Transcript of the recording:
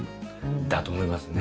だと思いますね。